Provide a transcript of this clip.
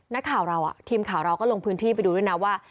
นักข่าวเราทีมข่าวเราก็ลงพื้นที่ไปดูด้วยนะว่า